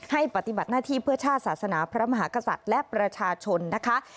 ปฏิบัติหน้าที่เพื่อชาติศาสนาพระมหากษัตริย์และประชาชนนะคะ